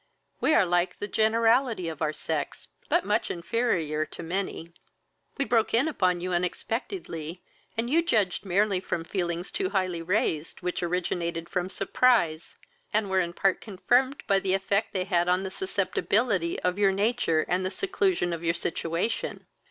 We are like the generality of our sex, but much inferior to many. We broke in upon you unexpectedly, and you judged merely from feelings too highly raised, which originated from surprise, and were in part confirmed by the effect they had on the susceptibility of your nature and the seclusion of your situation.